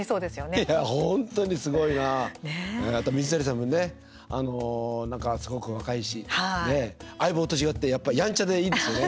いや本当にすごいな水谷さんもね、すごく若いし「相棒」と違ってやんちゃでいいですね。